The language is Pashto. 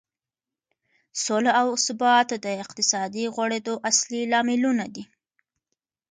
سوله او ثبات د اقتصادي غوړېدو اصلي لاملونه دي.